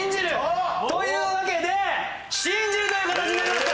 おっ！というわけで信じるという形になりました。